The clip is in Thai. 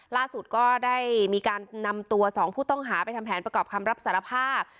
ล่าสุดก็ได้มีการนำตัว๒ผู้ต้องหาไปทำแผนประกอบคำรับสารภาพ